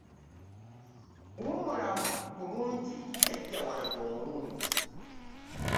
Wumula bulungi jjajja wange omulungi.